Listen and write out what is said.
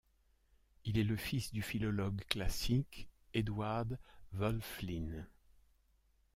Il est le fils du philologue classique Eduard Wölfflin.